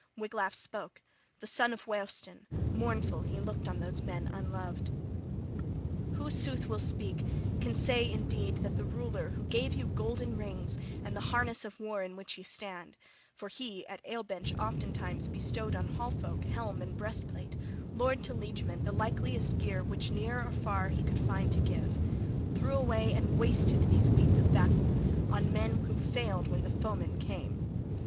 Wiglaf spake, the son of Weohstan, mournful he looked on those men unloved: "Who sooth will speak, can say indeed that the ruler who gave you golden rings and the harness of war in which ye stand for he at ale bench often times bestowed on hall folk helm and breastplate, lord to liegemen, the likeliest gear which near of far he could find to give, threw away and wasted these weeds of battle, on men who failed when the foemen came!